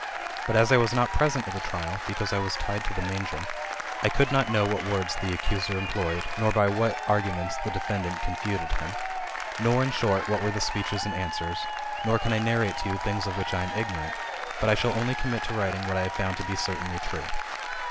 But as I was not present at the trial, because I was tied to the manger, I could not know what words the accuser employed, nor by what arguments the defendant confuted him, nor in short, what were the speeches and answers ; nor can I narrate to you things of which I am ignorant ; but I shall only commit to writing what I have found to be certainly true.